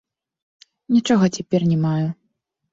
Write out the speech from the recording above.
Нічога цяпер не маю.